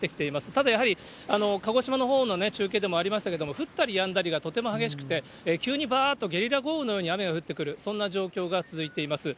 ただやはり、鹿児島のほうの中継でもありましたけれども、降ったりやんだりがとても激しくて、急にばーっとゲリラ豪雨のように雨が降ってくる、そんな状況が続いています。